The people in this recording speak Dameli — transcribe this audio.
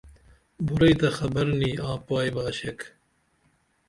بُرئی تہ خبر نی آں پائی بہ اشیق